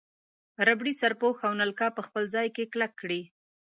ربړي سرپوښ او نلکه په خپل ځای کې کلک کړئ.